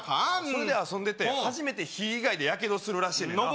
それで遊んでて初めて火以外でヤケドするらしいねんな